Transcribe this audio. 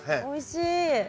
おいしい。